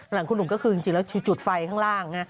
หลังคุณหนุ่มก็คือจริงแล้วจุดไฟข้างล่าง